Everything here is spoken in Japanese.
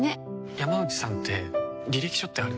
山内さんって履歴書ってある？